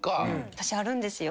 私あるんですよ。